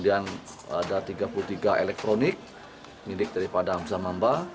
ada tiga puluh tiga elektronik milik daripada hamzah mamba